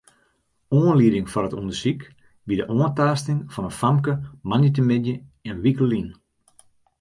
Oanlieding foar it ûndersyk wie de oantaasting fan in famke moandeitemiddei in wike lyn.